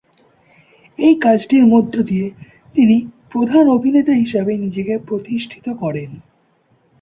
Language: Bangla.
এই কাজটির মধ্য দিয়ে তিনি প্রধান অভিনেতা হিসেবে নিজেকে প্রতিষ্ঠিত করেন।